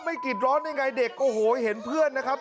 ไม่กรีดร้อนยังไงเด็กโอโฮเห็นเพื่อนนะครับ